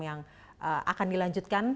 yang akan dilanjutkan